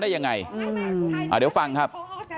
ได้ยังไงเดี๋ยวฟังครับ